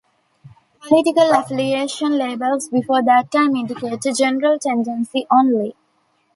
Political affiliation labels before that time indicate a general tendency only.